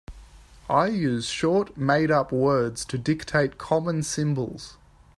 I use short made-up words to dictate common symbols.